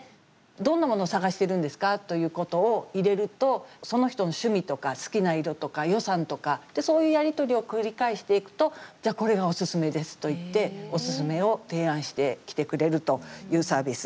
どんなもの探してるんですかということを入れるとその人の趣味とか、好きな色とか予算とかそういうやり取りを繰り返していくとじゃあ、これがオススメですといってオススメを提案してきてくれるというサービス。